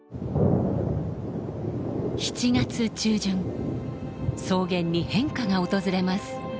７月中旬草原に変化が訪れます。